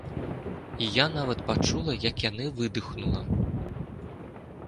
І я нават пачула, як яны выдыхнула.